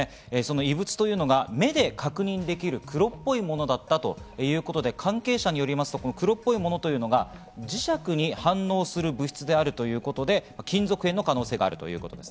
異物というのが目で確認できる黒っぽいものだったということで、関係者によりますと黒っぽいものというのが磁石に反応する物質であるということで金属片の可能性があるということです。